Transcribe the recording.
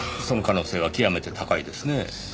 その可能性は極めて高いですねぇ。